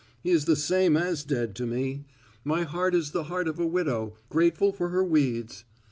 He is the same as dead to me. My heart is the heart of a widow grateful for her weeds.